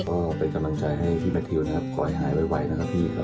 ก็เป็นกำลังใจให้พี่แมททิวนะครับขอให้หายไวนะครับพี่ครับ